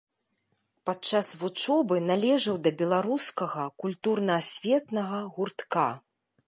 Падчас вучобы належаў да беларускага культурна-асветнага гуртка.